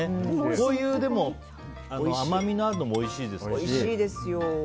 こういう甘みのあるのもおいしいですね。